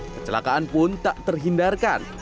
kecelakaan pun tak terhindarkan